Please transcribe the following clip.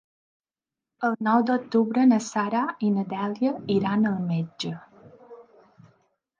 El nou d'octubre na Sara i na Dèlia iran al metge.